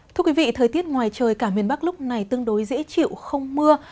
thưa quý vị thời tiết ngoài trời cả miền bắc lúc này tương đối dễ chịu không mưa